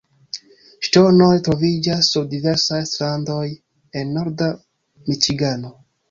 Ŝtonoj troviĝas sur diversaj strandoj en norda Miĉigano.